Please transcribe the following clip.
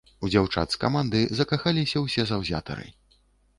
У дзяўчат з каманды закахаліся ўсе заўзятары.